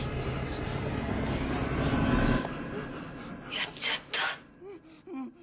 「やっちゃった」